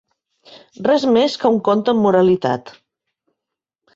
Res més que un conte amb moralitat.